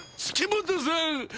月本さん